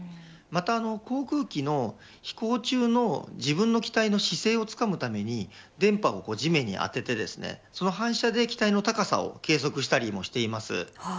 また、航空機の飛行中の自分の機体の姿勢をつかむために電波を地面に当ててその反射で機体の高さを計測したりもしています。